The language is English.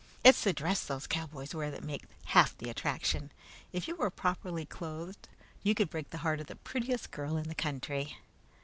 It's the dress those cowboys wear that makes half their attraction. If you were properly clothed, you could break the heart of the prettiest girl in the country."